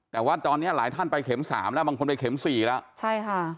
แต่ว่าตอนนี้หลายท่านไปเข็ม๓แล้วบางคนไปเข็ม๔แล้ว